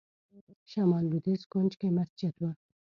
شمال لوېدیځ کونج کې مسجد و.